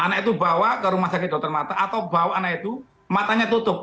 anak itu bawa ke rumah sakit dr mata atau bawa anak itu matanya tutup